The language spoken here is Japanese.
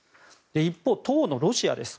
一方で当のロシアです。